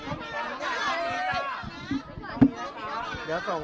ไม่ได้หยัดแล้วนะ